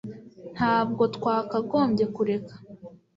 Ntabwo twakagombye kureka